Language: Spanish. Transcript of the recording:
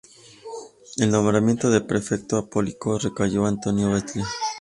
El nombramiento de Prefecto Apostólico recayó en Antonio Batlle.